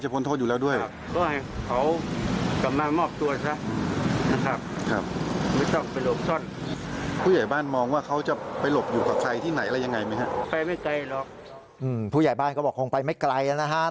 ผู้ใหญ่บ้านก็บอกคงไปไม่ไกลนะฮะ